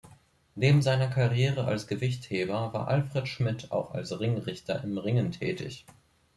Neben seiner Karriere als Gewichtheber war Alfred Schmidt auch als Ringrichter im Ringen tätig.